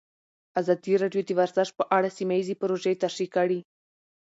ازادي راډیو د ورزش په اړه سیمه ییزې پروژې تشریح کړې.